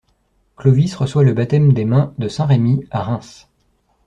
Clovis reçoit le baptême des mains de saint Remi à Reims.